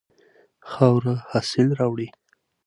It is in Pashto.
خاوره حاصل راوړي.